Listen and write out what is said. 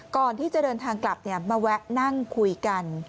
ก่อนที่จะเดินทางกลับมาแวะนั่งคุยกัน